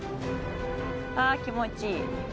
あ気持ちいい。